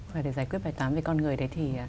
và để giải quyết bài toán về con người đấy thì